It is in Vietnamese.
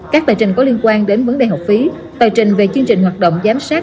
các tờ trình có liên quan đến vấn đề học phí tờ trình về chương trình hoạt động giám sát